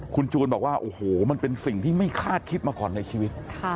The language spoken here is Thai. คุณจูนบอกว่าโอ้โหมันเป็นสิ่งที่ไม่คาดคิดมาก่อนในชีวิต